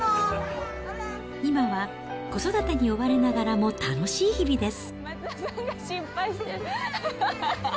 今は子育てに追われながらも楽しい日々です。